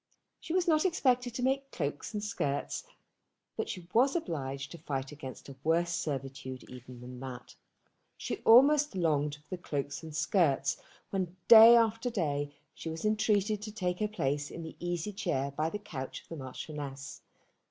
She was not expected to make cloaks and skirts, but she was obliged to fight against a worse servitude even than that. She almost longed for the cloaks and skirts when day after day she was entreated to take her place in the easy chair by the couch of the Marchioness.